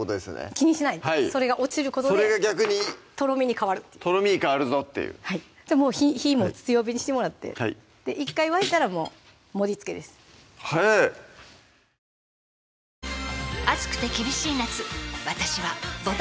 気にしないそれが落ちることでそれが逆にとろみに変わるっていうとろみに変わるぞっていうじゃあもう火も強火にしてもらって１回沸いたらもう盛りつけです早ぇうわぁでもいい感じですよね